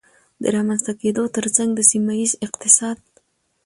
د رامنځته کېدو ترڅنګ د سيمهييز اقتصاد